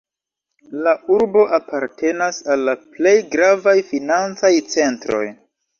La urbo apartenas al la plej gravaj financaj centroj.